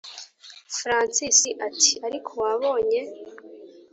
francis ati”ariko wabonye?